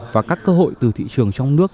và các cơ hội từ thị trường trong nước